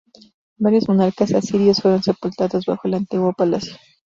Varios monarcas asirios fueron sepultados bajo el Antiguo Palacio.